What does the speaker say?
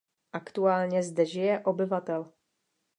Aktuálně zde žije obyvatel.